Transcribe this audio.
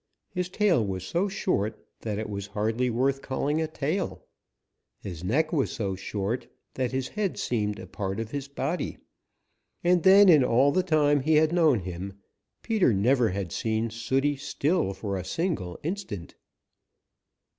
His tail was so short that it was hardly worth calling a tail. His neck was so short that his head seemed a part of his body. And then in all the time he had known him, Peter never had seen Sooty still for a single instant.